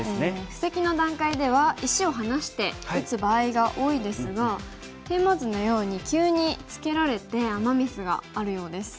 布石の段階では石を離して打つ場合が多いですがテーマ図のように急にツケられてアマ・ミスがあるようです。